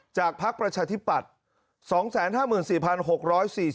จากภักดิ์ประชาธิปัตย์